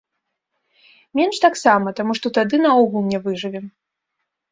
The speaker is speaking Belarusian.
Менш таксама, таму што тады наогул не выжывем.